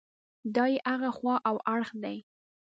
دا یې هغه خوا او اړخ دی.